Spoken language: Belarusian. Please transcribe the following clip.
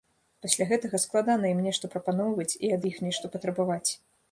Пасля гэтага складана ім нешта прапаноўваць і ад іх нешта патрабаваць.